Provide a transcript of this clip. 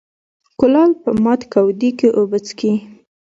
ـ کولال په مات کودي کې اوبه څکي.